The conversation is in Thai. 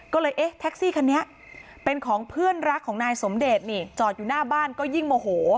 ก็เลยเอ๊ะแท็กซี่คันนี้เป็นของเพื่อนรักของนายสมเดชนี่จอดอยู่หน้าบ้านก็ยิ่งโมโห